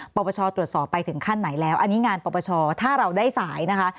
ปปชตรวจสอบไปถึงขั้นไหนแล้วอันนี้งานปปชถ้าเราได้สายนะคะ